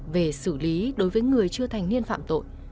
về xử lý đối với người chưa thành niên phạm tội